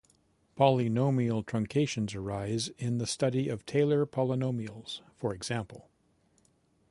Polynomial truncations arise in the study of Taylor polynomials, for example.